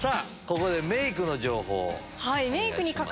ここでメイクの情報。